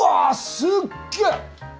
すっげえ！